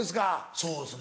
そうですね